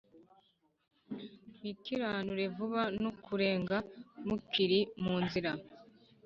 “Wikiranure vuba n’ukurega mukiri mu nzira